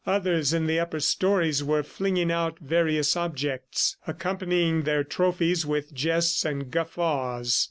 Others, in the upper stories, were flinging out various objects; accompanying their trophies with jests and guffaws.